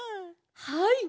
はい。